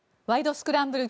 スクランブル」